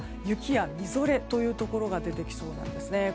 雪や、みぞれというところが出てきそうなんですね。